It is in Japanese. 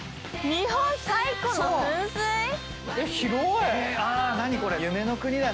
日本最古の噴水⁉広い！